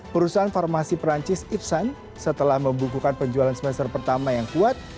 perusahaan farmasi perancis ipsan setelah membukukan penjualan semester pertama yang kuat